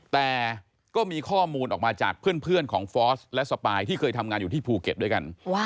แต่ก็มีข้อมูลออกมาจากเพื่อนของฟอสและสปายที่เคยทำงานอยู่ที่ภูเก็ตด้วยกัน